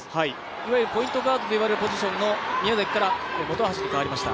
いわゆるポイントガードといわれるポジションの宮崎が本橋に代わりました。